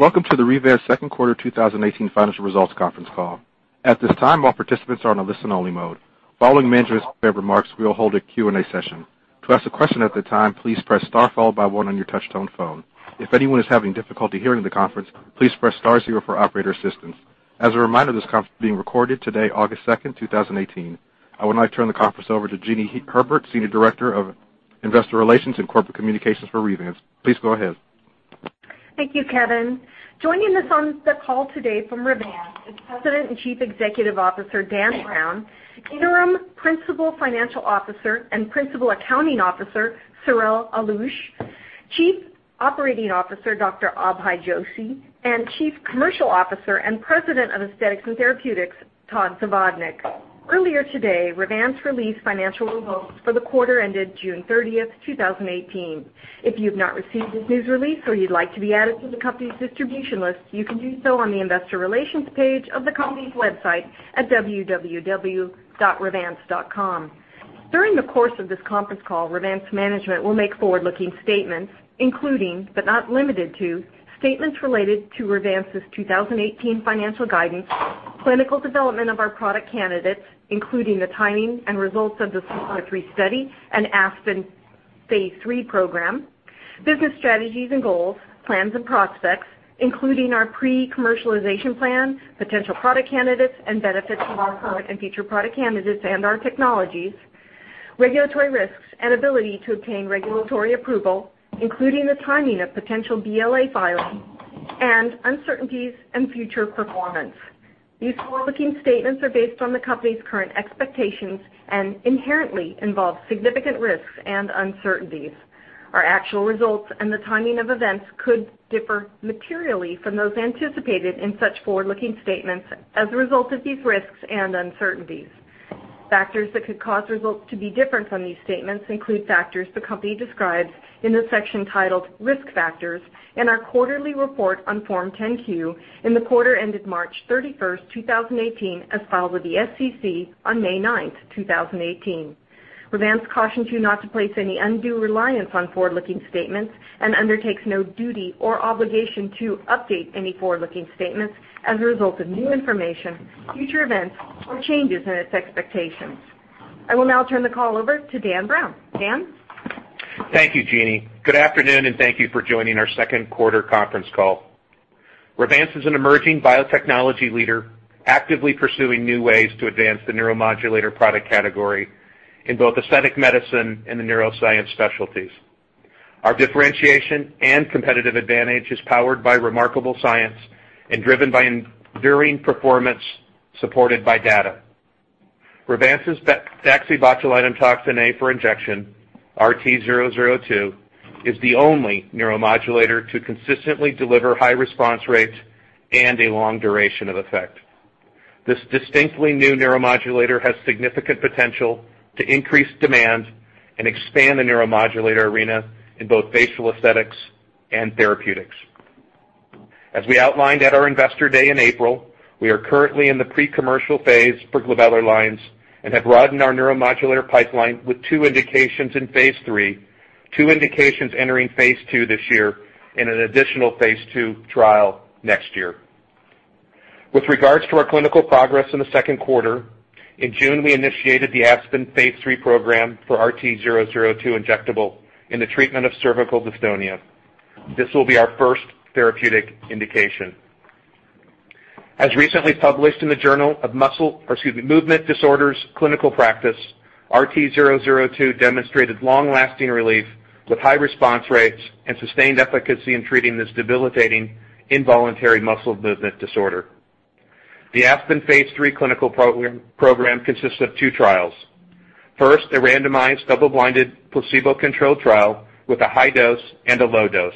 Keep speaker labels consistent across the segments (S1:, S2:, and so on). S1: Welcome to the Revance second quarter 2018 financial results conference call. At this time, all participants are on a listen-only mode. Following management's prepared remarks, we will hold a Q&A session. To ask a question at the time, please press star followed by one on your touch-tone phone. If anyone is having difficulty hearing the conference, please press star zero for operator assistance. As a reminder, this conference is being recorded today, August 2nd, 2018. I would now like to turn the conference over to Jeanie Herbert, Senior Director of Investor Relations and Corporate Communications for Revance. Please go ahead.
S2: Thank you, Kevin. Joining us on the call today from Revance is President and Chief Executive Officer, Dan Browne; Interim Principal Financial Officer and Principal Accounting Officer, Cyril Allouche; Chief Operating Officer, Dr. Abhay Joshi; and Chief Commercial Officer and President of Aesthetics and Therapeutics, Todd Zavodnick. Earlier today, Revance released financial results for the quarter ended June 30th, 2018. If you've not received this news release or you'd like to be added to the company's distribution list, you can do so on the investor relations page of the company's website at www.revance.com. During the course of this conference call, Revance management will make forward-looking statements, including, but not limited to, statements related to Revance's 2018 financial guidance, clinical development of our product candidates, including the timing and results of the RT002, SAKURA 3 study and ASPEN phase III program; business strategies and goals, plans and prospects, including our pre-commercialization plan, potential product candidates, and benefits of our current and future product candidates and our technologies; regulatory risks and ability to obtain regulatory approval, including the timing of potential BLA filing; and uncertainties and future performance. Factors that could cause results to be different from these statements include factors the company describes in the section titled risk factors in our quarterly report on Form 10-Q in the quarter ended March 31st, 2018, as filed with the SEC on May 9th, 2018. Revance cautions you not to place any undue reliance on forward-looking statements and undertakes no duty or obligation to update any forward-looking statements as a result of new information, future events, or changes in its expectations. I will now turn the call over to Dan Browne. Dan?
S3: Thank you, Jeanie. Good afternoon, and thank you for joining our second quarter conference call. Revance is an emerging biotechnology leader, actively pursuing new ways to advance the neuromodulator product category in both aesthetic medicine and the neuroscience specialties. Our differentiation and competitive advantage is powered by remarkable science and driven by enduring performance supported by data. Revance's DaxibotulinumtoxinA for injection, RT002, is the only neuromodulator to consistently deliver high response rates and a long duration of effect. This distinctly new neuromodulator has significant potential to increase demand and expand the neuromodulator arena in both facial aesthetics and therapeutics. As we outlined at our investor day in April, we are currently in the pre-commercial phase for glabellar lines and have broadened our neuromodulator pipeline with two indications in phase III, two indications entering phase II this year, and an additional phase II trial next year. With regards to our clinical progress in the second quarter, in June, we initiated the ASPEN phase III program for RT002 injectable in the treatment of cervical dystonia. This will be our first therapeutic indication. As recently published in the Journal of Movement Disorders Clinical Practice, RT002 demonstrated long-lasting relief with high response rates and sustained efficacy in treating this debilitating involuntary muscle movement disorder. The ASPEN phase III clinical program consists of two trials. First, a randomized, double-blinded, placebo-controlled trial with a high dose and a low dose.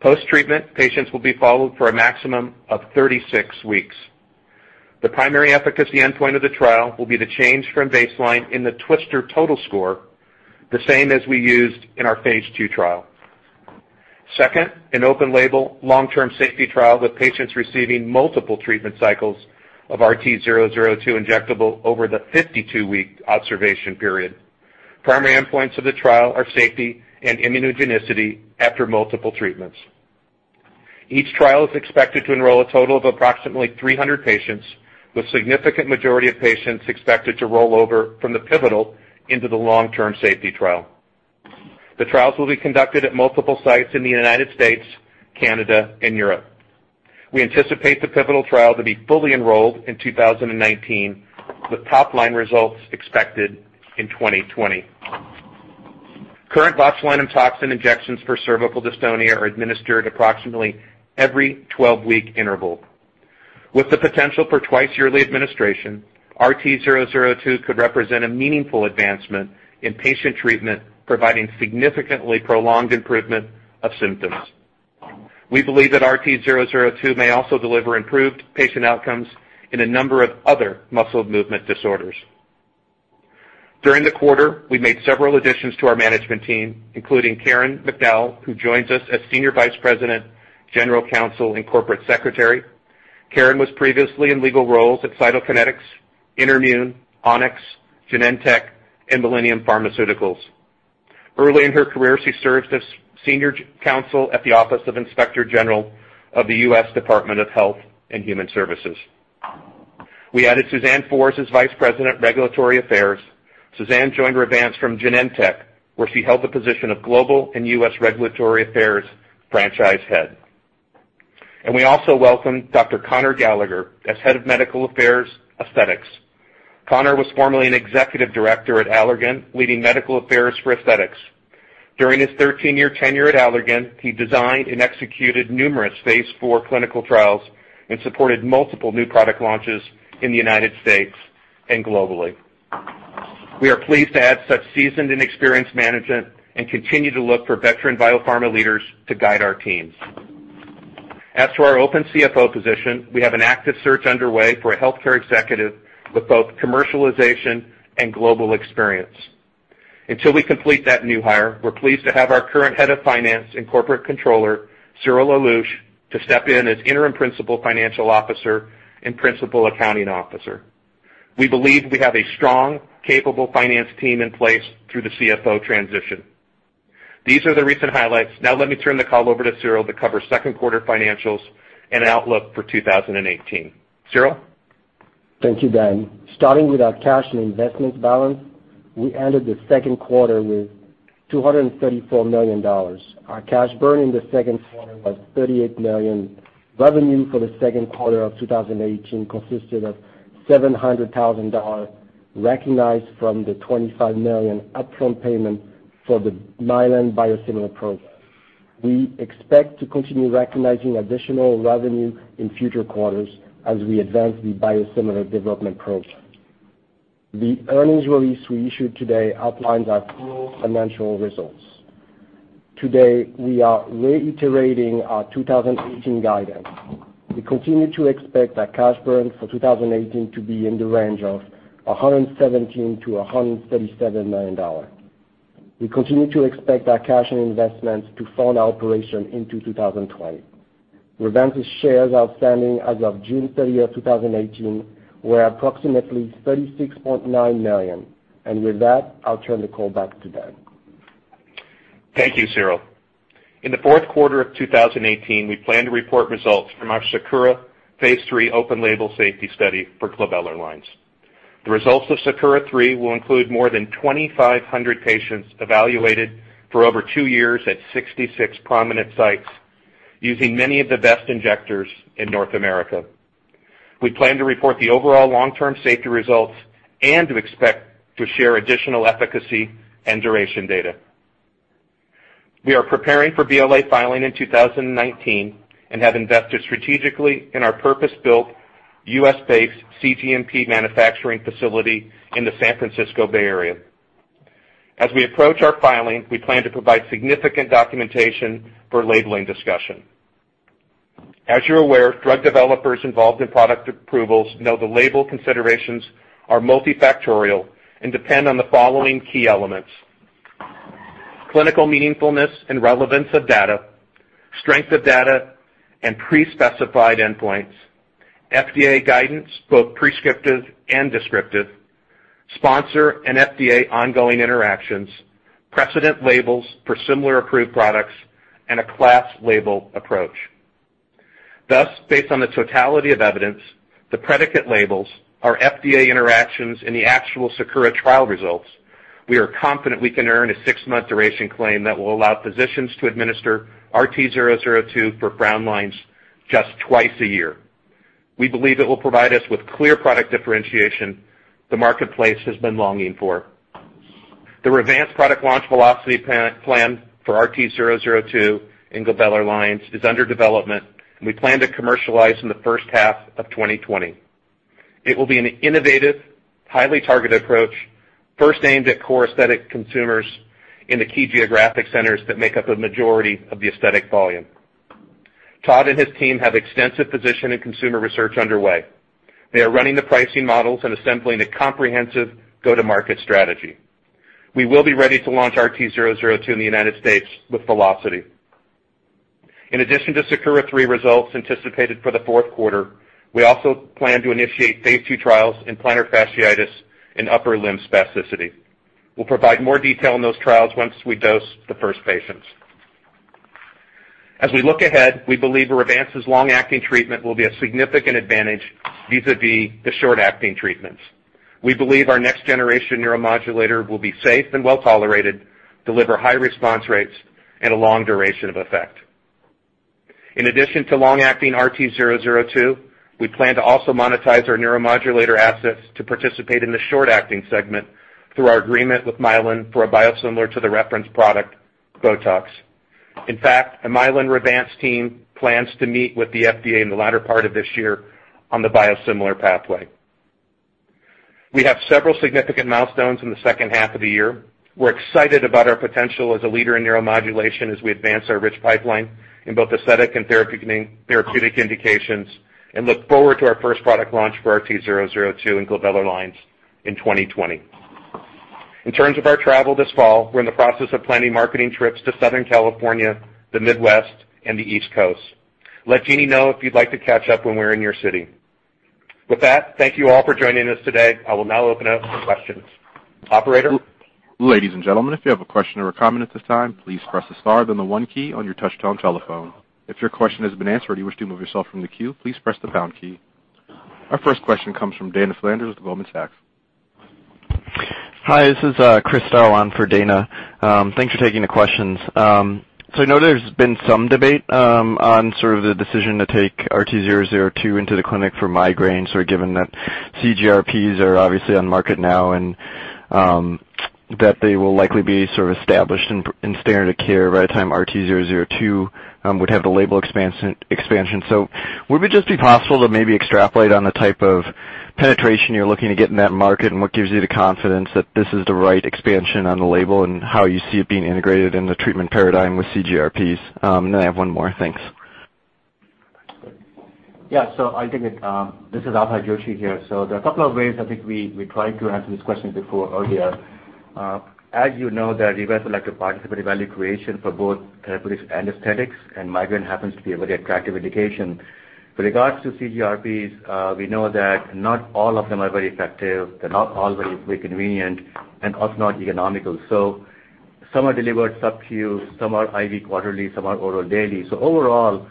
S3: Post-treatment, patients will be followed for a maximum of 36 weeks. The primary efficacy endpoint of the trial will be the change from baseline in the TWSTRS total score, the same as we used in our phase II trial. Second, an open-label, long-term safety trial with patients receiving multiple treatment cycles of RT002 injectable over the 52-week observation period. Primary endpoints of the trial are safety and immunogenicity after multiple treatments. Each trial is expected to enroll a total of approximately 300 patients, with significant majority of patients expected to roll over from the pivotal into the long-term safety trial. The trials will be conducted at multiple sites in the U.S., Canada, and Europe. We anticipate the pivotal trial to be fully enrolled in 2019, with top-line results expected in 2020. Current botulinum toxin injections for cervical dystonia are administered approximately every 12-week interval. With the potential for twice-yearly administration, RT002 could represent a meaningful advancement in patient treatment, providing significantly prolonged improvement of symptoms. We believe that RT002 may also deliver improved patient outcomes in a number of other muscle movement disorders. During the quarter, we made several additions to our management team, including Caryn McDowell, who joins us as Senior Vice President, General Counsel, and Corporate Secretary. Caryn was previously in legal roles at Cytokinetics, InterMune, Onyx, Genentech, and Millennium Pharmaceuticals. Early in her career, she served as senior counsel at the Office of Inspector General of the U.S. Department of Health and Human Services. We added Susanne Fors as vice president, regulatory affairs. Susanne joined Revance from Genentech, where she held the position of global and U.S. regulatory affairs franchise head. We also welcomed Dr. Conor Gallagher as head of medical affairs, aesthetics. Conor was formerly an executive director at Allergan, leading medical affairs for aesthetics. During his 13-year tenure at Allergan, he designed and executed numerous phase IV clinical trials and supported multiple new product launches in the U.S. and globally. We are pleased to add such seasoned and experienced management and continue to look for veteran biopharma leaders to guide our teams. As for our open CFO position, we have an active search underway for a healthcare executive with both commercialization and global experience. Until we complete that new hire, we're pleased to have our current head of finance and corporate controller, Cyril Allouche, to step in as Interim Principal Financial Officer and Principal Accounting Officer. We believe we have a strong, capable finance team in place through the CFO transition. These are the recent highlights. Let me turn the call over to Cyril to cover second quarter financials and outlook for 2018. Cyril?
S4: Thank you, Dan. Starting with our cash and investments balance, we ended the second quarter with $234 million. Our cash burn in the second quarter was $38 million. Revenue for the second quarter of 2018 consisted of $700,000 recognized from the $25 million upfront payment for the Mylan biosimilar program. We expect to continue recognizing additional revenue in future quarters as we advance the biosimilar development program. The earnings release we issued today outlines our full financial results. Today, we are reiterating our 2018 guidance. We continue to expect that cash burn for 2018 to be in the range of $117 million-$137 million. We continue to expect our cash and investments to fund our operation into 2020. Revance's shares outstanding as of June 30th, 2018, were approximately 36.9 million. With that, I'll turn the call back to Dan.
S3: Thank you, Cyril. In the fourth quarter of 2018, we plan to report results from our SAKURA phase III open label safety study for glabellar lines. The results of SAKURA 3 will include more than 2,500 patients evaluated for over two years at 66 prominent sites using many of the best injectors in North America. We plan to report the overall long-term safety results and to expect to share additional efficacy and duration data. We are preparing for BLA filing in 2019 and have invested strategically in our purpose-built U.S.-based cGMP manufacturing facility in the San Francisco Bay Area. As we approach our filing, we plan to provide significant documentation for labeling discussion. As you're aware, drug developers involved in product approvals know the label considerations are multifactorial and depend on the following key elements: clinical meaningfulness and relevance of data, strength of data and pre-specified endpoints, FDA guidance, both prescriptive and descriptive, sponsor and FDA ongoing interactions, precedent labels for similar approved products, and a class label approach. Thus, based on the totality of evidence, the predicate labels, our FDA interactions, and the actual SAKURA trial results, we are confident we can earn a six-month duration claim that will allow physicians to administer RT002 for frown lines just twice a year. We believe it will provide us with clear product differentiation the marketplace has been longing for. The Revance product launch velocity plan for RT002 in glabellar lines is under development, and we plan to commercialize in the first half of 2020. It will be an innovative, highly targeted approach, first aimed at core aesthetic consumers in the key geographic centers that make up a majority of the aesthetic volume. Todd and his team have extensive physician and consumer research underway. They are running the pricing models and assembling a comprehensive go-to-market strategy. We will be ready to launch RT002 in the United States with velocity. In addition to SAKURA III results anticipated for the fourth quarter, we also plan to initiate phase II trials in plantar fasciitis and upper limb spasticity. We'll provide more detail on those trials once we dose the first patients. As we look ahead, we believe Revance's long-acting treatment will be a significant advantage vis-à-vis the short-acting treatments. We believe our next generation neuromodulator will be safe and well-tolerated, deliver high response rates, and a long duration of effect. In addition to long-acting RT002, we plan to also monetize our neuromodulator assets to participate in the short-acting segment through our agreement with Mylan for a biosimilar to the reference product, BOTOX. In fact, the Mylan-Revance team plans to meet with the FDA in the latter part of this year on the biosimilar pathway. We have several significant milestones in the second half of the year. We're excited about our potential as a leader in neuromodulation as we advance our rich pipeline in both aesthetic and therapeutic indications and look forward to our first product launch for RT002 in glabellar lines in 2020. In terms of our travel this fall, we're in the process of planning marketing trips to Southern California, the Midwest, and the East Coast. Let Jeanie know if you'd like to catch up when we're in your city. With that, thank you all for joining us today. I will now open up for questions. Operator?
S1: Ladies and gentlemen, if you have a question or a comment at this time, please press the star, then the one key on your touch-tone telephone. If your question has been answered or you wish to move yourself from the queue, please press the pound key. Our first question comes from Dana Flanders with Goldman Sachs.
S5: Hi, this is Christopher Staral for Dana. I know there's been some debate on sort of the decision to take RT002 into the clinic for migraines or given that CGRPs are obviously on market now and that they will likely be sort of established in standard of care by the time RT002 would have the label expansion. Would it just be possible to maybe extrapolate on the type of penetration you're looking to get in that market and what gives you the confidence that this is the right expansion on the label and how you see it being integrated in the treatment paradigm with CGRPs? I have one more. Thanks.
S6: Yeah. I'll take it. This is Abhay Joshi here. There are a couple of ways I think we tried to answer this question before earlier. As you know, the reverse elective participatory value creation for both therapeutics and aesthetics and migraine happens to be a very attractive indication. With regards to CGRPs, we know that not all of them are very effective. They're not all very convenient and also not economical. Some are delivered subcu, some are IV quarterly, some are oral daily. Overall,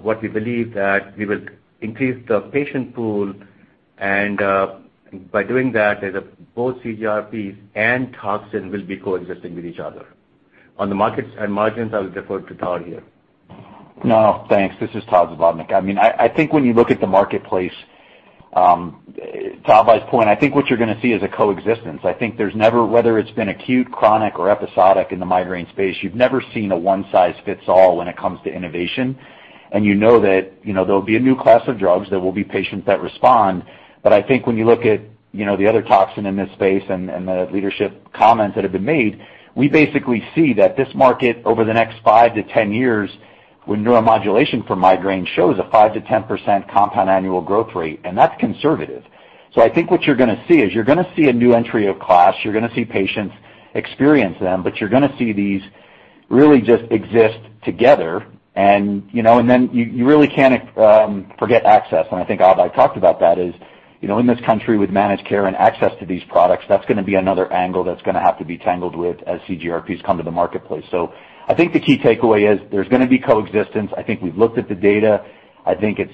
S6: what we believe that we will increase the patient pool and, by doing that, is both CGRPs and toxin will be coexisting with each other. On the markets and margins, I will defer to Todd here.
S7: No, thanks. This is Todd Zavodnick. I think when you look at the marketplace, to Abhay's point, I think what you're going to see is a coexistence. I think there's never, whether it's been acute, chronic or episodic in the migraine space, you've never seen a one size fits all when it comes to innovation. You know that there'll be a new class of drugs, there will be patients that respond. I think when you look at the other toxin in this space and the leadership comments that have been made, we basically see that this market over the next 5 to 10 years with neuromodulation for migraine shows a 5%-10% compound annual growth rate, and that's conservative. I think what you're going to see is you're going to see a new entry of class. You're going to see patients experience them, but you're going to see these really just exist together. You really can't forget access. I think Abhay talked about that is, in this country with managed care and access to these products, that's going to be another angle that's going to have to be tangled with as CGRPs come to the marketplace. I think the key takeaway is there's going to be coexistence. I think we've looked at the data. I think it's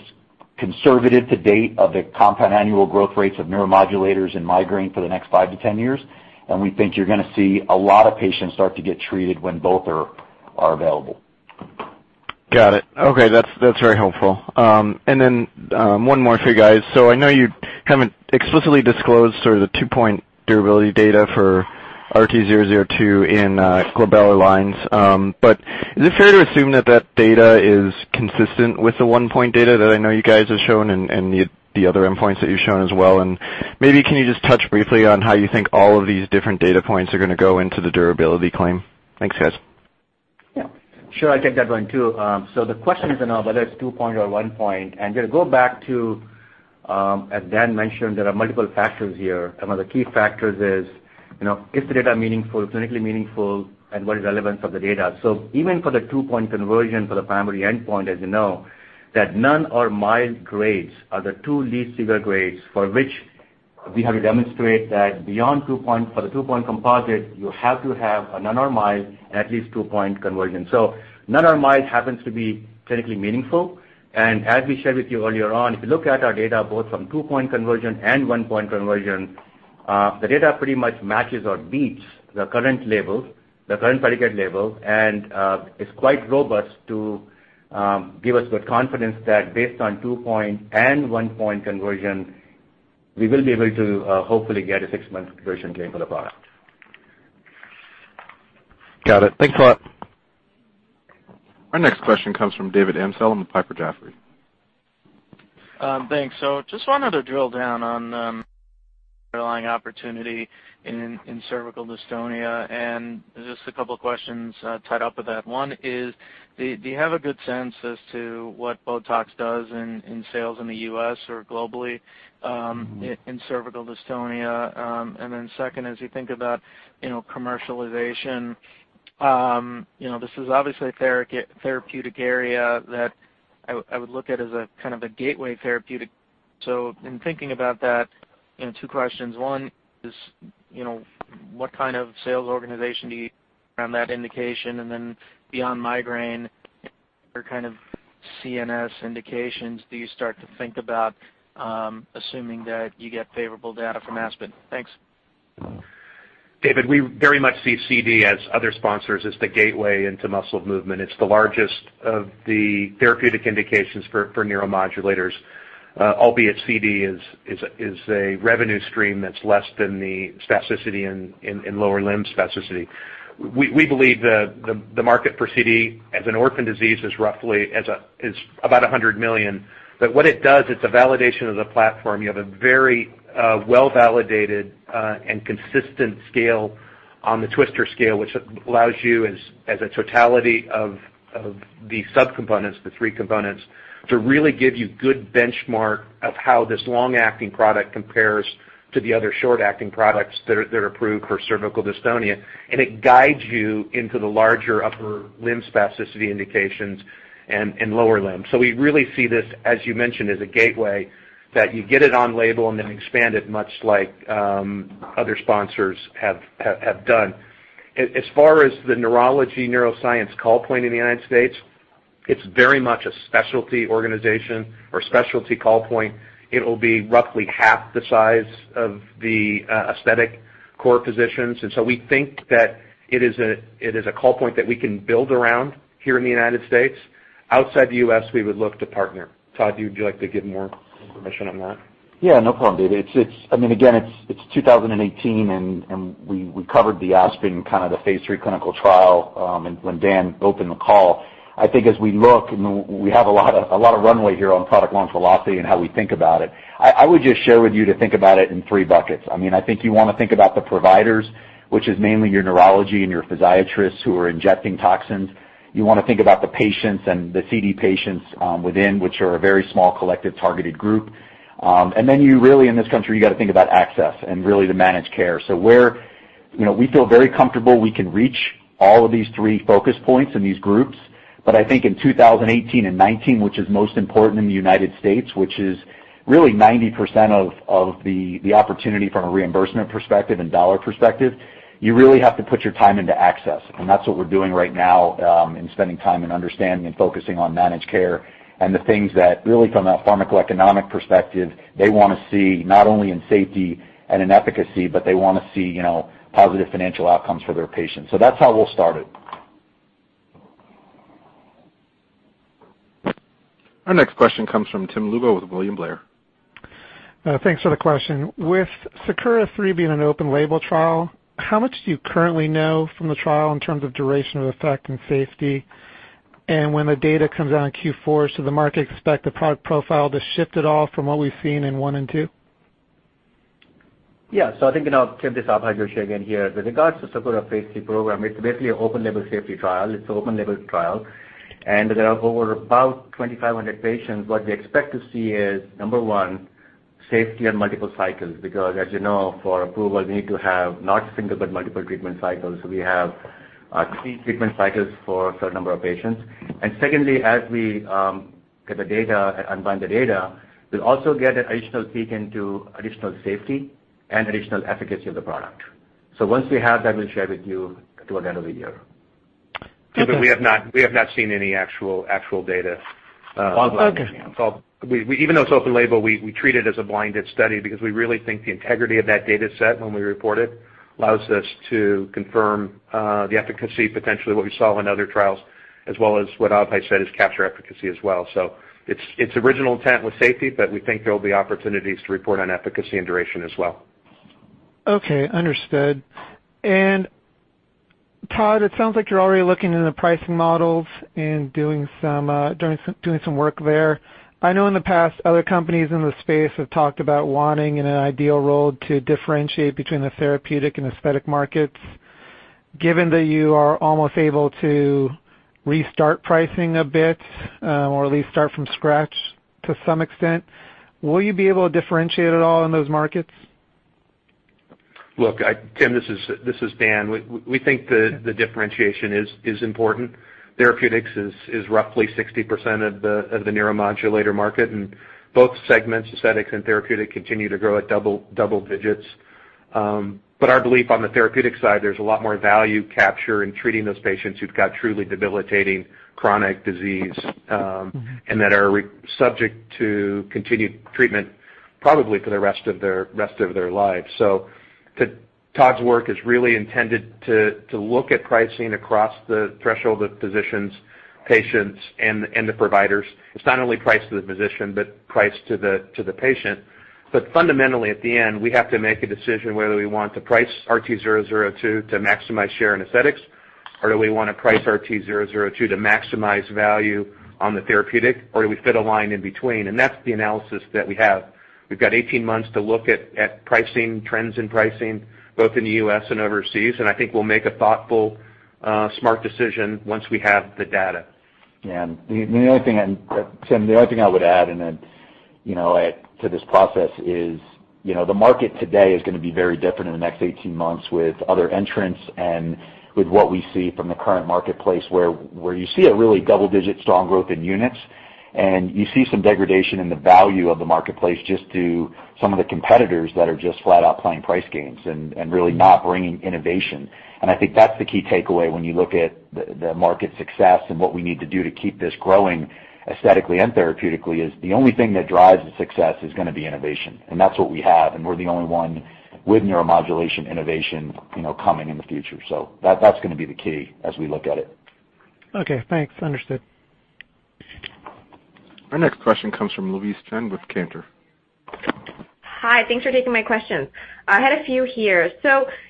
S7: conservative to date of the compound annual growth rates of neuromodulators and migraine for the next 5 to 10 years. We think you're going to see a lot of patients start to get treated when both are available.
S5: Got it. Okay. That's very helpful. Then one more for you guys. I know you haven't explicitly disclosed sort of the two-point durability data for RT002 in glabellar lines. Is it fair to assume that that data is consistent with the one-point data that I know you guys have shown and the other endpoints that you've shown as well? Maybe can you just touch briefly on how you think all of these different data points are going to go into the durability claim? Thanks, guys.
S6: Yeah. Sure. I'll take that one, too. The question is now whether it's two-point or one-point. To go back to, as Dan mentioned, there are multiple factors here. One of the key factors is if the data are meaningful, clinically meaningful, and what is relevance of the data. Even for the two-point conversion for the primary endpoint, as you know, that none or mild grades are the 2 least severe grades for which we have to demonstrate that beyond two-point, for the two-point composite, you have to have a none or mild, at least two-point conversion. None or mild happens to be clinically meaningful. As we shared with you earlier on, if you look at our data both from two-point conversion and one-point conversion, the data pretty much matches or beats the current label, the current predicate label. It's quite robust to give us the confidence that based on two-point and one-point conversion, we will be able to hopefully get a six-month conversion claim for the product.
S5: Got it. Thanks a lot.
S1: Our next question comes from David Amsellem with Piper Jaffray.
S8: Thanks. Just wanted to drill down on underlying opportunity in cervical dystonia and just a couple questions tied up with that. One is, do you have a good sense as to what BOTOX does in sales in the U.S. or globally in cervical dystonia? Second, as you think about commercialization, this is obviously a therapeutic area that I would look at as a kind of a gateway therapeutic. In thinking about that, two questions. One is what kind of sales organization do you around that indication? Beyond migraine, what other kind of CNS indications do you start to think about assuming that you get favorable data from ASPEN? Thanks.
S3: David, we very much see CD as other sponsors as the gateway into muscle movement. It's the largest of the therapeutic indications for neuromodulators. Albeit CD is a revenue stream that's less than the spasticity in lower limb spasticity. We believe the market for CD as an orphan disease is roughly about $100 million. What it does, it's a validation of the platform. You have a very well-validated and consistent scale on the TWSTRS scale, which allows you as a totality of the subcomponents, the three components to really give you good benchmark of how this long-acting product compares to the other short-acting products that are approved for cervical dystonia. It guides you into the larger upper limb spasticity indications and lower limb. We really see this, as you mentioned, as a gateway, that you get it on label and then expand it much like other sponsors have done. As far as the neurology neuroscience call point in the United States, it's very much a specialty organization or specialty call point. It'll be roughly half the size of the aesthetic core positions. We think that it is a call point that we can build around here in the United States. Outside the U.S., we would look to partner. Todd, would you like to give more information on that?
S7: No problem, David. It's 2018 and we covered the ASPEN phase III clinical trial when Dan opened the call. I think as we look, we have a lot of runway here on product longevity and how we think about it. I would just share with you to think about it in three buckets. I think you want to think about the providers, which is mainly your neurology and your physiatrists who are injecting toxins. You want to think about the patients and the CD patients within, which are a very small collective targeted group. You really, in this country, got to think about access and really the managed care. We feel very comfortable we can reach all of these three focus points in these groups, but I think in 2018 and 2019, which is most important in the United States, which is really 90% of the opportunity from a reimbursement perspective and dollar perspective. You really have to put your time into access, and that's what we're doing right now in spending time and understanding and focusing on managed care and the things that really from a pharmacoeconomic perspective, they want to see, not only in safety and in efficacy, but they want to see positive financial outcomes for their patients. That's how we'll start it.
S1: Our next question comes from Tim Lugo with William Blair.
S9: Thanks for the question. With SAKURA three being an open label trial, how much do you currently know from the trial in terms of duration of effect and safety? When the data comes out in Q4, the market expect the product profile to shift at all from what we've seen in one and two?
S6: Yeah. I think, Tim, this is Abhay Joshi again here. With regards to SAKURA phase III program, it's basically an open label safety trial. It's open label trial, and there are over about 2,500 patients. What we expect to see is, number one, safety on multiple cycles, because as you know, for approval, we need to have not single but multiple treatment cycles. We have three treatment cycles for a certain number of patients. Secondly, as we get the data, unblind the data, we'll also get additional peek into additional safety and additional efficacy of the product. Once we have that, we'll share with you toward the end of the year.
S3: We have not seen any actual data.
S9: Okay.
S3: Even though it's open label, we treat it as a blinded study because we really think the integrity of that data set when we report it allows us to confirm the efficacy, potentially what we saw in other trials as well as what Abhay said is capture efficacy as well. Its original intent was safety, but we think there'll be opportunities to report on efficacy and duration as well.
S9: Okay. Understood. Todd, it sounds like you're already looking into the pricing models and doing some work there. I know in the past, other companies in the space have talked about wanting, in an ideal role, to differentiate between the therapeutic and aesthetic markets. Given that you are almost able to restart pricing a bit, or at least start from scratch to some extent, will you be able to differentiate at all in those markets?
S3: Look, Tim, this is Dan. We think the differentiation is important. Therapeutics is roughly 60% of the neuromodulator market, and both segments, aesthetics and therapeutic, continue to grow at double digits. Our belief on the therapeutic side, there's a lot more value capture in treating those patients who've got truly debilitating chronic disease and that are subject to continued treatment probably for the rest of their lives. Todd's work is really intended to look at pricing across the threshold of physicians, patients, and the providers. It's not only price to the physician, but price to the patient. Fundamentally at the end, we have to make a decision whether we want to price RT002 to maximize share in aesthetics, or do we want to price RT002 to maximize value on the therapeutic, or do we fit a line in between? That's the analysis that we have. We've got 18 months to look at pricing trends and pricing both in the U.S. and overseas. I think we'll make a thoughtful, smart decision once we have the data.
S7: Tim, the only thing I would add to this process is the market today is going to be very different in the next 18 months with other entrants and with what we see from the current marketplace, where you see a really double digit strong growth in units. You see some degradation in the value of the marketplace just to some of the competitors that are just flat out playing price games and really not bringing innovation. I think that's the key takeaway when you look at the market success and what we need to do to keep this growing aesthetically and therapeutically is the only thing that drives the success is going to be innovation. That's what we have, and we're the only one with neuromodulation innovation coming in the future. That's going to be the key as we look at it.
S9: Okay, thanks. Understood.
S1: Our next question comes from Louise Chen with Cantor.
S10: Hi. Thanks for taking my questions. I had a few here.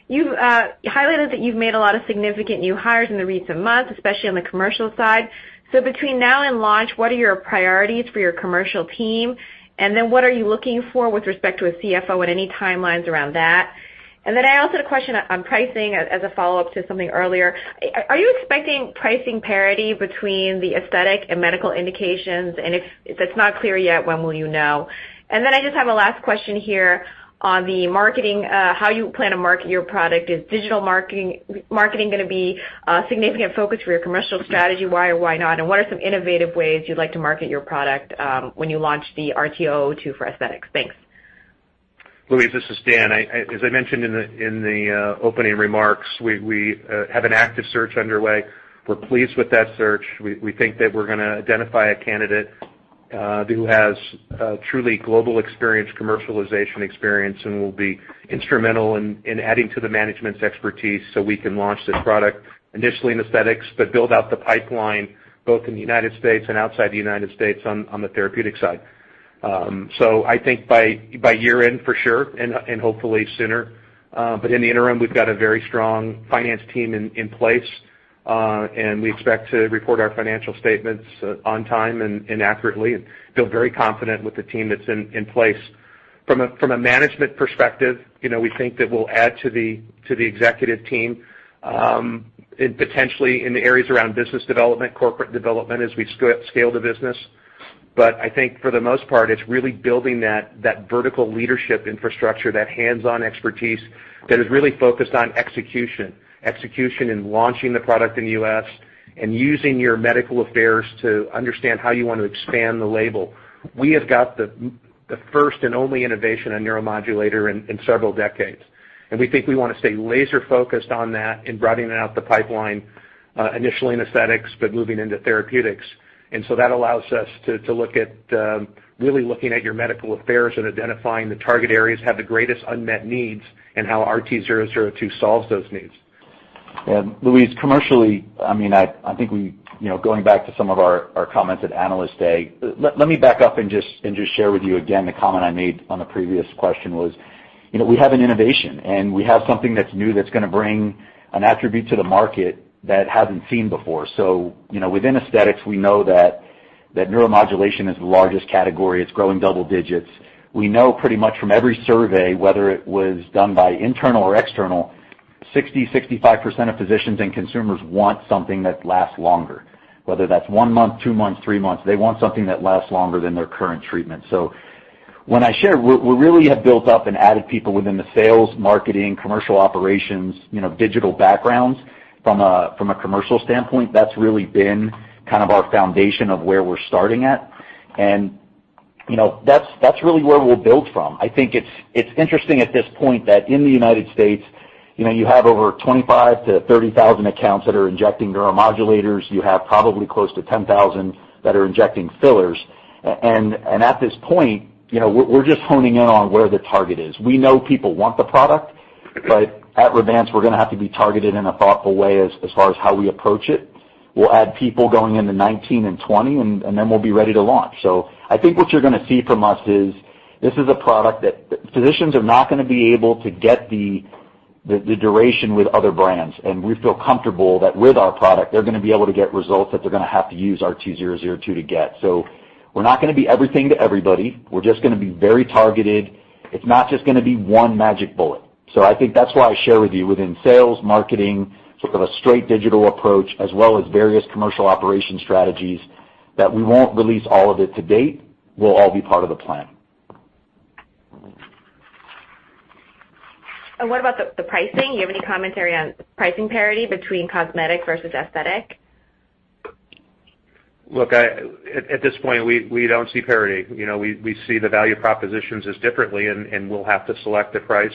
S10: You've highlighted that you've made a lot of significant new hires in the recent months, especially on the commercial side. Between now and launch, what are your priorities for your commercial team? What are you looking for with respect to a CFO and any timelines around that? I also had a question on pricing as a follow-up to something earlier. Are you expecting pricing parity between the aesthetic and medical indications? If that's not clear yet, when will you know? I just have a last question here on the marketing, how you plan to market your product. Is digital marketing going to be a significant focus for your commercial strategy? Why or why not? What are some innovative ways you'd like to market your product when you launch the RT002 for aesthetics? Thanks.
S3: Louise, this is Dan. As I mentioned in the opening remarks, we have an active search underway. We're pleased with that search. We think that we're going to identify a candidate who has truly global experience, commercialization experience, and will be instrumental in adding to the management's expertise so we can launch this product initially in aesthetics, but build out the pipeline both in the United States and outside the United States on the therapeutic side. I think by year-end, for sure, and hopefully sooner. In the interim, we've got a very strong finance team in place, and we expect to report our financial statements on time and accurately, and feel very confident with the team that's in place. From a management perspective, we think that we'll add to the executive team, potentially in the areas around business development, corporate development as we scale the business. I think for the most part, it's really building that vertical leadership infrastructure, that hands-on expertise that is really focused on execution. Execution in launching the product in the U.S. and using your medical affairs to understand how you want to expand the label. We have got the first and only innovation on neuromodulator in several decades, and we think we want to stay laser-focused on that in broadening out the pipeline, initially in aesthetics, but moving into therapeutics. That allows us to look at really looking at your medical affairs and identifying the target areas that have the greatest unmet needs and how RT002 solves those needs.
S7: Louise, commercially, I think going back to some of our comments at Analyst Day. Let me back up and just share with you again the comment I made on the previous question was, we have an innovation and we have something that's new that's going to bring an attribute to the market that it hasn't seen before. Within aesthetics, we know that neuromodulation is the largest category. It's growing double digits. We know pretty much from every survey, whether it was done by internal or external, 60%-65% of physicians and consumers want something that lasts longer, whether that's one month, two months, three months. They want something that lasts longer than their current treatment. When I share, we really have built up and added people within the sales, marketing, commercial operations, digital backgrounds from a commercial standpoint. That's really been kind of our foundation of where we're starting at. That's really where we'll build from. I think it's interesting at this point that in the U.S., you have over 25,000-30,000 accounts that are injecting neuromodulators. You have probably close to 10,000 that are injecting fillers. At this point, we're just honing in on where the target is. We know people want the product, but at Revance, we're going to have to be targeted in a thoughtful way as far as how we approach it. We'll add people going into 2019 and 2020, then we'll be ready to launch. I think what you're going to see from us is this is a product that physicians are not going to be able to get the duration with other brands. We feel comfortable that with our product, they're going to be able to get results that they're going to have to use RT002 to get. We're not going to be everything to everybody. We're just going to be very targeted. It's not just going to be one magic bullet. I think that's why I share with you within sales, marketing, sort of a straight digital approach, as well as various commercial operation strategies that we won't release all of it to date, will all be part of the plan.
S10: What about the pricing? Do you have any commentary on pricing parity between cosmetic versus aesthetic?
S3: Look, at this point, we don't see parity. We see the value propositions as differently, and we'll have to select a price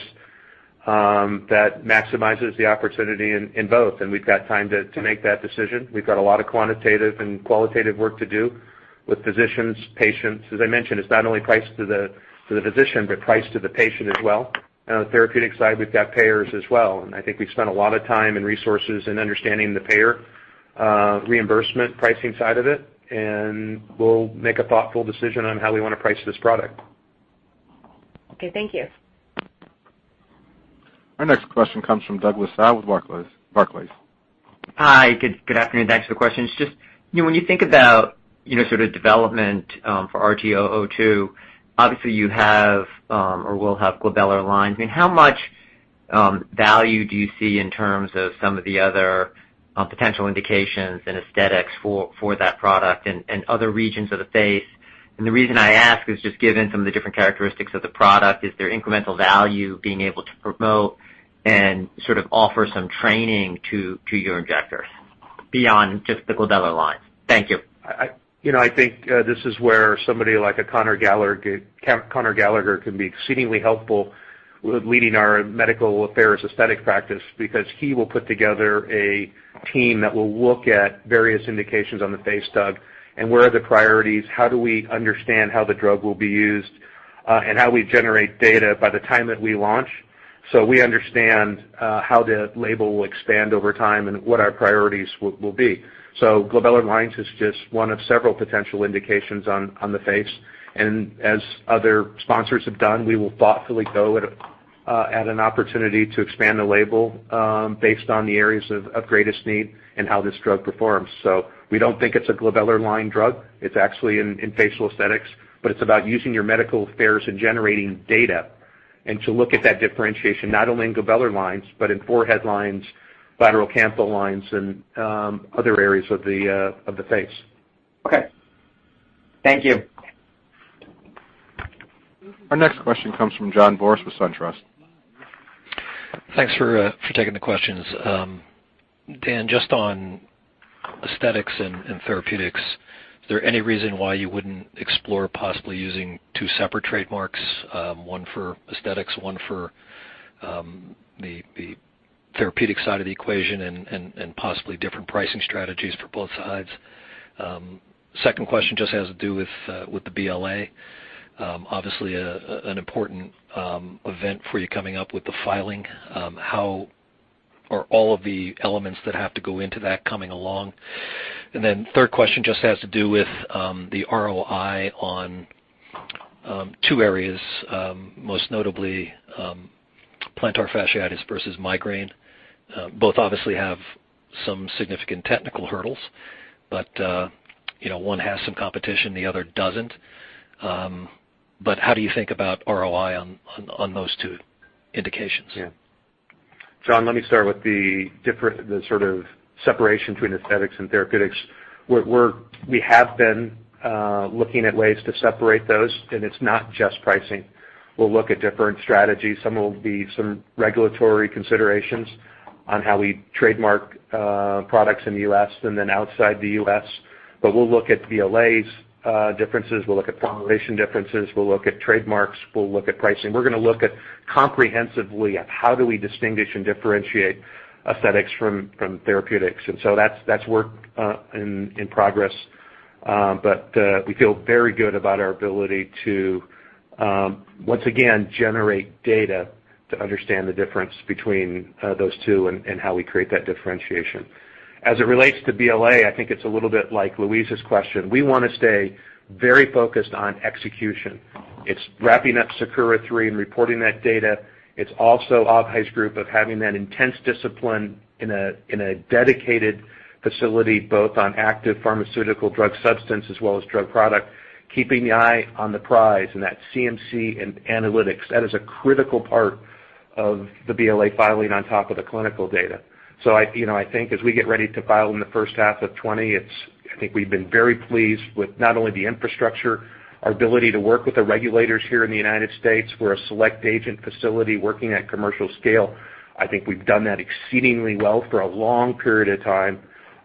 S3: that maximizes the opportunity in both. We've got time to make that decision. We've got a lot of quantitative and qualitative work to do with physicians, patients. As I mentioned, it's not only priced to the physician, but priced to the patient as well. On the therapeutic side, we've got payers as well. I think we've spent a lot of time and resources in understanding the payer reimbursement pricing side of it, and we'll make a thoughtful decision on how we want to price this product.
S10: Okay, thank you.
S1: Our next question comes from Douglas Tsao with Barclays.
S11: Hi, good afternoon. Thanks for the questions. When you think about sort of development for RT002, obviously you have or will have glabellar lines. How much value do you see in terms of some of the other potential indications in aesthetics for that product in other regions of the face? The reason I ask is just given some of the different characteristics of the product, is there incremental value being able to promote and sort of offer some training to your injectors beyond just the glabellar lines? Thank you.
S3: I think this is where somebody like a Conor Gallagher can be exceedingly helpful with leading our medical affairs aesthetic practice because he will put together a team that will look at various indications on the face, Doug, where are the priorities? How do we understand how the drug will be used? How we generate data by the time that we launch so we understand how the label will expand over time and what our priorities will be. Glabellar lines is just one of several potential indications on the face. As other sponsors have done, we will thoughtfully go at an opportunity to expand the label based on the areas of greatest need and how this drug performs. We don't think it's a glabellar line drug. It's actually in facial aesthetics, but it's about using your medical affairs and generating data to look at that differentiation, not only in glabellar lines, but in forehead lines, lateral canthal lines, and other areas of the face.
S11: Okay. Thank you.
S1: Our next question comes from John Boris with SunTrust.
S12: Thanks for taking the questions. Dan, just on aesthetics and therapeutics, is there any reason why you wouldn't explore possibly using two separate trademarks, one for aesthetics, one for the therapeutic side of the equation, and possibly different pricing strategies for both sides? Second question just has to do with the BLA. Obviously, an important event for you coming up with the filing. How are all of the elements that have to go into that coming along? Then third question just has to do with the ROI on two areas. Most notably, plantar fasciitis versus migraine. Both obviously have some significant technical hurdles, but one has some competition, the other doesn't. How do you think about ROI on those two indications?
S3: Yeah. John, let me start with the sort of separation between aesthetics and therapeutics. We have been looking at ways to separate those, it's not just pricing. We'll look at different strategies. Some will be some regulatory considerations on how we trademark products in the U.S. and then outside the U.S. We'll look at BLAs differences, we'll look at formulation differences, we'll look at trademarks, we'll look at pricing. We're going to look comprehensively at how do we distinguish and differentiate aesthetics from therapeutics. That's work in progress. We feel very good about our ability to, once again, generate data to understand the difference between those two and how we create that differentiation. As it relates to BLA, I think it's a little bit like Louise's question. We want to stay very focused on execution. It's wrapping up SAKURA III and reporting that data. It's also Abhay's group of having that intense discipline in a dedicated facility, both on active pharmaceutical drug substance as well as drug product, keeping the eye on the prize, and that CMC and analytics. That is a critical part of the BLA filing on top of the clinical data. I think as we get ready to file in the first half of 2019, I think we've been very pleased with not only the infrastructure, our ability to work with the regulators here in the United States. We're a select agent facility working at commercial scale. I think we've done that exceedingly well for a long period of time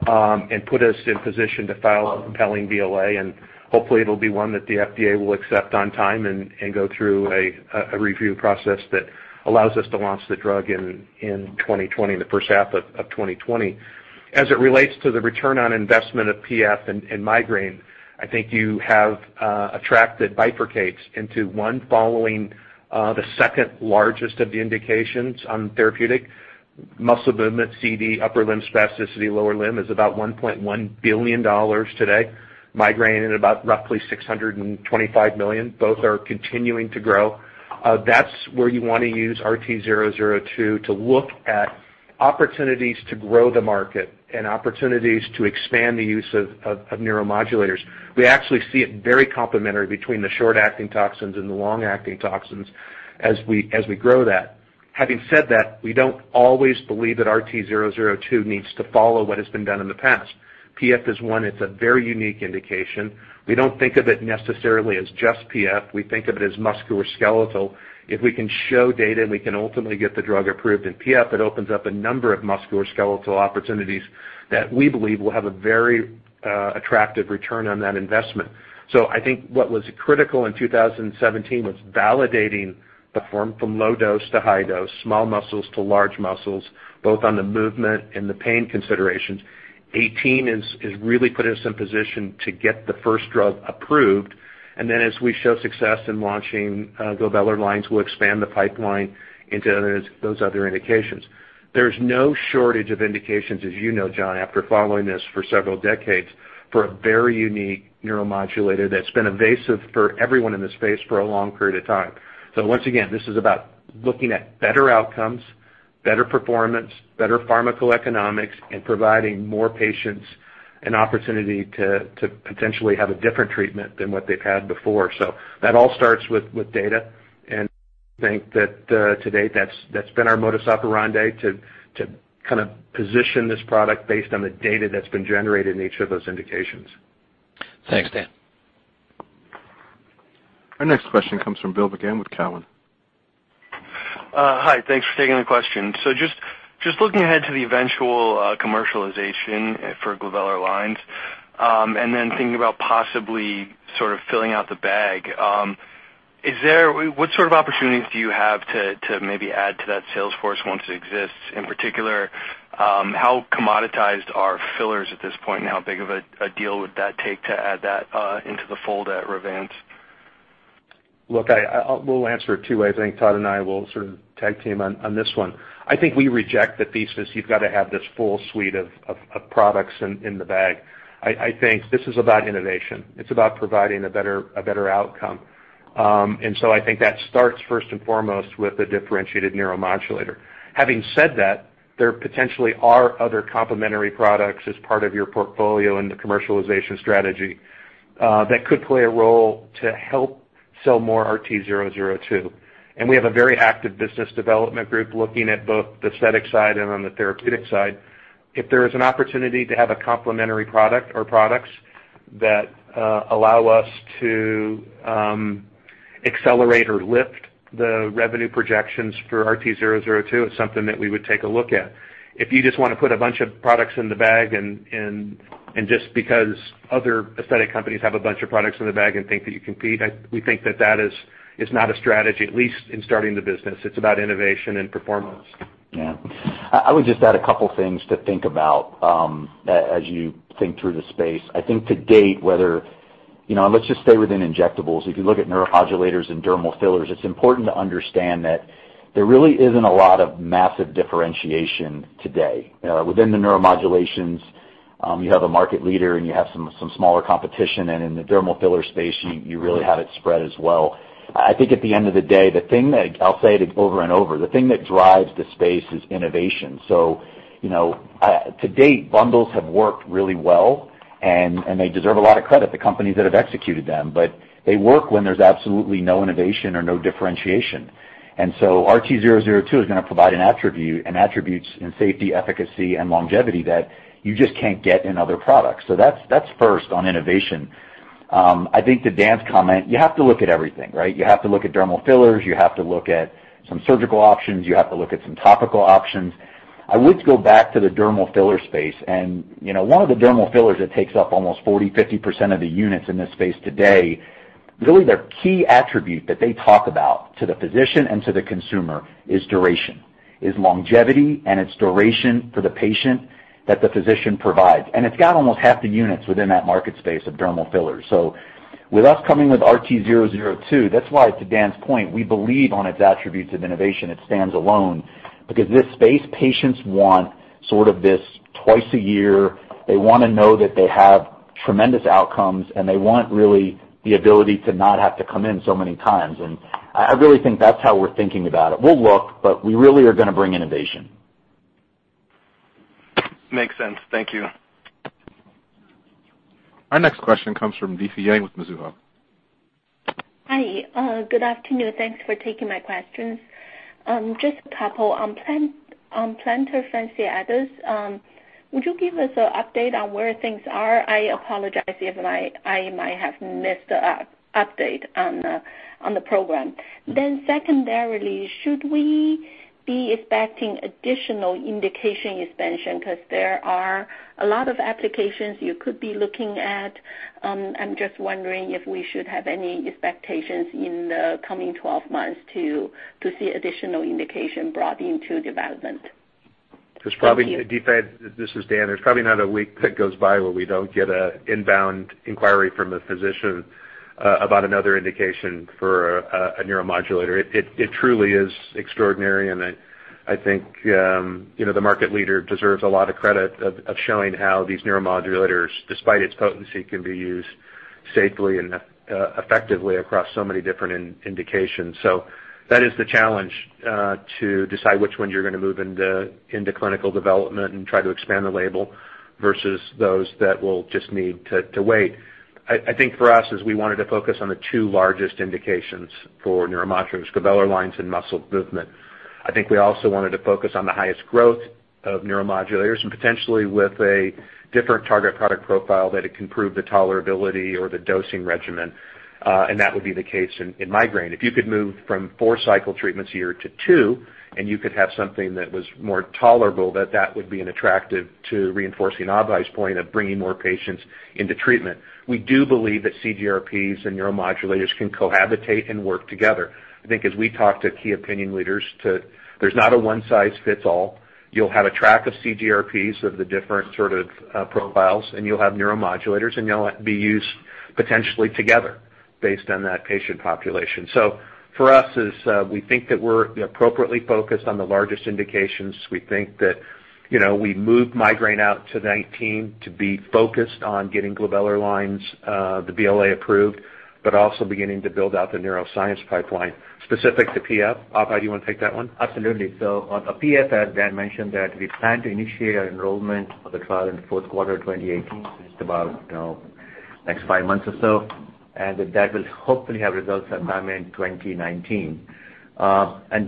S3: and put us in position to file a compelling BLA, and hopefully it'll be one that the FDA will accept on time and go through a review process that allows us to launch the drug in 2020, the first half of 2020. As it relates to the return on investment of PF and migraine, I think you have a track that bifurcates into one following the second largest of the indications on therapeutic muscle movement CD, upper limb spasticity, lower limb is about $1.1 billion today. Migraine at about roughly $625 million. Both are continuing to grow. That's where you want to use RT002 to look at opportunities to grow the market and opportunities to expand the use of neuromodulators. We actually see it very complementary between the short acting toxins and the long acting toxins as we grow that. Having said that, we don't always believe that RT002 needs to follow what has been done in the past. PF is one. It's a very unique indication. We don't think of it necessarily as just PF. We think of it as musculoskeletal. If we can show data and we can ultimately get the drug approved in PF, it opens up a number of musculoskeletal opportunities that we believe will have a very attractive return on that investment. I think what was critical in 2017 was validating the form from low dose to high dose, small muscles to large muscles, both on the movement and the pain considerations. 2018 has really put us in position to get the first drug approved, and then as we show success in launching glabellar lines, we'll expand the pipeline into those other indications. There's no shortage of indications, as you know, John, after following this for several decades, for a very unique neuromodulator that's been evasive for everyone in this space for a long period of time. Once again, this is about looking at better outcomes, better performance, better pharmacoeconomics, and providing more patients an opportunity to potentially have a different treatment than what they've had before. That all starts with data, and I think that to date, that's been our modus operandi to kind of position this product based on the data that's been generated in each of those indications.
S12: Thanks, Dan.
S1: Our next question comes from Bill McGann with Cowen.
S13: Hi, thanks for taking the question. Just looking ahead to the eventual commercialization for glabellar lines, and then thinking about possibly sort of filling out the bag. What sort of opportunities do you have to maybe add to that sales force once it exists? In particular, how commoditized are fillers at this point, and how big of a deal would that take to add that into the fold at Revance?
S3: Look, we'll answer it two ways. I think Todd and I will sort of tag team on this one. I think we reject the thesis you've got to have this full suite of products in the bag. I think this is about innovation. It's about providing a better outcome. I think that starts first and foremost with a differentiated neuromodulator. Having said that, there potentially are other complementary products as part of your portfolio in the commercialization strategy. That could play a role to help sell more RT002. We have a very active business development group looking at both the aesthetic side and on the therapeutic side. If there is an opportunity to have a complementary product or products that allow us to accelerate or lift the revenue projections for RT002, it's something that we would take a look at. If you just want to put a bunch of products in the bag and just because other aesthetic companies have a bunch of products in the bag and think that you compete, we think that is not a strategy, at least in starting the business. It's about innovation and performance.
S7: Yeah. I would just add a couple things to think about as you think through the space. I think to date, let's just stay within injectables. If you look at neuromodulators and dermal fillers, it's important to understand that there really isn't a lot of massive differentiation today. Within the neuromodulators, you have a market leader, and you have some smaller competition, and in the dermal filler space, you really have it spread as well. I think at the end of the day, I'll say it over and over, the thing that drives the space is innovation. To date, bundles have worked really well, and they deserve a lot of credit, the companies that have executed them. They work when there's absolutely no innovation or no differentiation. RT002 is going to provide an attribute and attributes in safety, efficacy, and longevity that you just can't get in other products. That's first on innovation. I think to Dan's comment, you have to look at everything, right? You have to look at dermal fillers. You have to look at some surgical options. You have to look at some topical options. I would go back to the dermal filler space, and one of the dermal fillers that takes up almost 40, 50% of the units in this space today, really their key attribute that they talk about to the physician and to the consumer is duration. Is longevity and its duration for the patient that the physician provides. It's got almost half the units within that market space of dermal fillers. With us coming with RT002, that's why, to Dan's point, we believe on its attributes of innovation, it stands alone because this space, patients want sort of this twice a year. They want to know that they have tremendous outcomes, and they want really the ability to not have to come in so many times. I really think that's how we're thinking about it. We'll look, but we really are going to bring innovation.
S13: Makes sense. Thank you.
S1: Our next question comes from Difei Yang with Mizuho.
S14: Hi. Good afternoon. Thanks for taking my questions. Just a couple on plantar fasciitis. Would you give us an update on where things are? I apologize if I might have missed an update on the program. Secondarily, should we be expecting additional indication expansion? Because there are a lot of applications you could be looking at. I'm just wondering if we should have any expectations in the coming 12 months to see additional indication brought into development. Thank you.
S3: Difei, this is Dan. There's probably not a week that goes by where we don't get an inbound inquiry from a physician about another indication for a neuromodulator. It truly is extraordinary, and I think the market leader deserves a lot of credit of showing how these neuromodulators, despite its potency, can be used safely and effectively across so many different indications. That is the challenge to decide which ones you're going to move into clinical development and try to expand the label versus those that will just need to wait. I think for us, is we wanted to focus on the two largest indications for neuromodulators, glabellar lines and muscle movement. I think we also wanted to focus on the highest growth of neuromodulators and potentially with a different target product profile that it can prove the tolerability or the dosing regimen, and that would be the case in migraine. If you could move from four cycle treatments a year to two, and you could have something that was more tolerable, that would be an attractive to reinforcing Abhay's point of bringing more patients into treatment. We do believe that CGRPs and neuromodulators can cohabitate and work together. I think as we talk to key opinion leaders, there's not a one size fits all. You'll have a track of CGRPs of the different sort of profiles, and you'll have neuromodulators, and they'll be used potentially together based on that patient population. For us, as we think that we're appropriately focused on the largest indications, we think that we moved migraine out to 2019 to be focused on getting glabellar lines, the BLA approved, but also beginning to build out the neuroscience pipeline specific to PF. Abhay, do you want to take that one?
S6: Absolutely. On PF, as Dan mentioned, that we plan to initiate our enrollment of the trial in the fourth quarter 2018, it's about next five months or so. That will hopefully have results by mid-2019.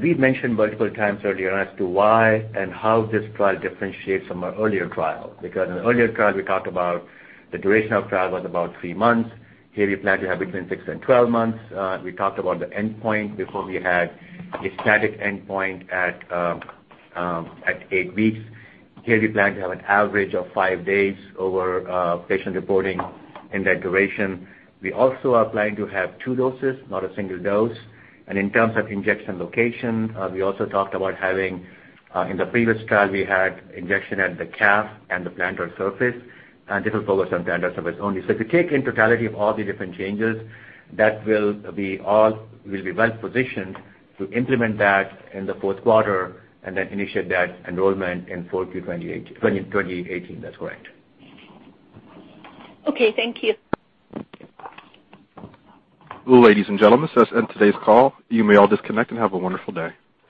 S6: We've mentioned multiple times earlier as to why and how this trial differentiates from our earlier trial. In the earlier trial, we talked about the duration of trial was about three months. Here, we plan to have between six and 12 months. We talked about the endpoint. Before, we had a static endpoint at eight weeks. Here, we plan to have an average of five days over patient reporting in that duration. We also are planning to have two doses, not a single dose. In terms of injection location, we also talked about having, in the previous trial, we had injection at the calf and the plantar surface, and this will focus on plantar surface only. If you take in totality of all the different changes, that will be all, we'll be well-positioned to implement that in the fourth quarter and then initiate that enrollment in 4Q 2018. That's correct.
S14: Okay, thank you.
S1: Ladies and gentlemen, this ends today's call. You may all disconnect and have a wonderful day.